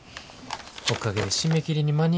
おかげで締め切りに間に合うわ。